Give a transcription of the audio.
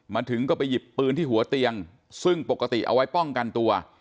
มาถึงก็ไปหยิบปืนที่หัวเตียงซึ่งปกติเอาไว้ป้องกันตัว